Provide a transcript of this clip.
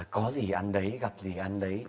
có gì ăn đấy gặp gì ăn đấy